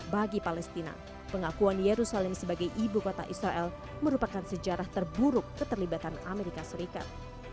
bagi palestina pengakuan yerusalem sebagai ibu kota israel merupakan sejarah terburuk keterlibatan amerika serikat